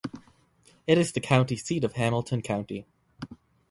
It is the county seat of Hampton County.